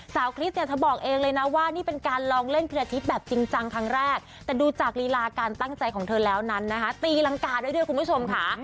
สาวคริสจะบอกเลยนะว่าเป็นการลองเล่นเคณะชี้แบบจริงจังครั้งแรกดูจากรีราการตั้งใจของเธอแล้วตีรังกาด้วยของคุณผู้ชมค่ะ